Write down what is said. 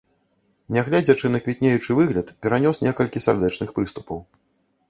Нягледзячы на квітнеючы выгляд, перанёс некалькі сардэчных прыступаў.